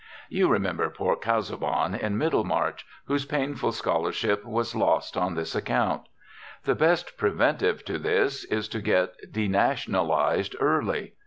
You remember poor Casaubon, in "Middlemarch," whose painful scholarship was lost on this account. The best preventive to this is to get denationalized early.